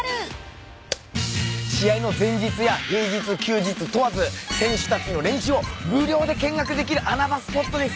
試合の前日や平日休日問わず選手たちの練習を無料で見学できる穴場スポットです。